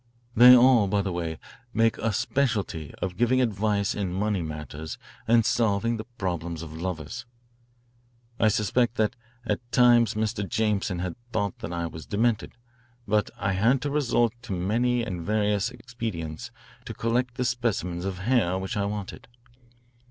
They all, by the way, make a specialty of giving advice in money matters and solving the problems of lovers. I suspect that at times Mr. Jameson has thought that I was demented, but I had to resort to many and various expedients to collect the specimens of hair which I wanted.